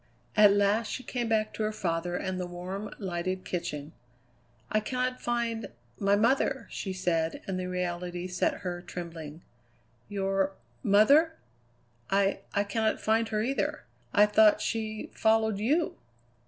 At last she came back to her father and the warm, lighted kitchen. "I cannot find my mother," she said, and the reality set her trembling. "Your mother? I I cannot find her, either. I thought she followed you!"